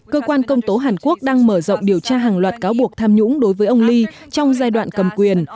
cơ quan công tố hàn quốc đang mở rộng điều tra hàng loạt cáo buộc tham nhũng đối với ông lee trong giai đoạn cầm quyền